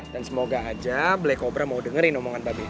dan semoga aja black cobra mau dengerin omongan babi